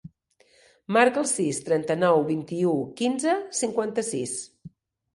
Marca el sis, trenta-nou, vint-i-u, quinze, cinquanta-sis.